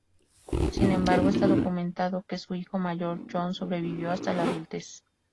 Sin embargo, está documentado que su hijo mayor, John, sobrevivió hasta la adultez.